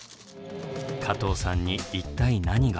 加藤さんに一体何が？